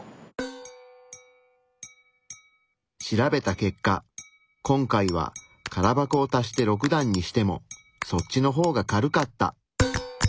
調べた結果今回は空箱を足して６段にしてもそっちの方が軽かった。